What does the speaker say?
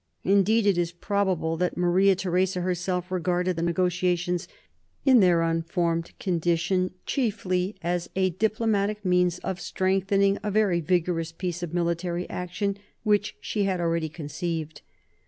Indeed it is probable that Maria Theresa herself regarded the negotiations, in their un formed condition, chiefly as a diplomatic means of strengthening a very vigorous piece of military action which she had already conceived.